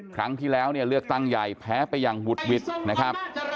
ครั้งที่แล้วเนี่ยเลือกตั้งใหญ่แพ้ไปอย่างวุดวิดนะครับ